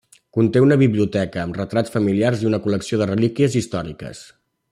Conté una biblioteca, amb retrats familiars i una col·lecció de relíquies històriques.